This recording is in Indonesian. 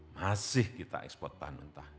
masih kita ekspor bahan mentah